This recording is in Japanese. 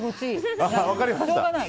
しょうがない。